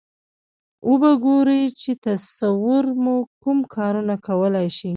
و به ګورئ چې تصور مو کوم کارونه کولای شي.